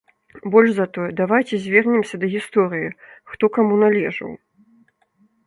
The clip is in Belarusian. Больш за тое, давайце звернемся да гісторыі, хто каму належаў?